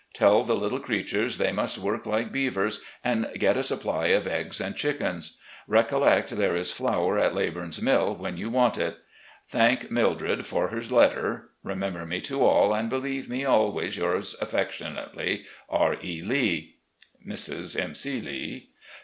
Tell the little creatures they must work like beavers and get a supply of eggs and chickens. Recollect there is flour at Leybum's mill when you want it. Thank Mil dred for her letter. Remember me to all, and believe me, "Always yours affectionately, R. E, Lee, "Mrs. M. C. Lee.